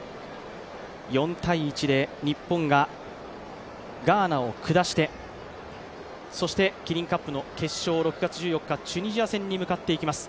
４−１で日本がガーナを下してそしてキリンカップの決勝、６月１４日、チュニジア戦に向かっていきます。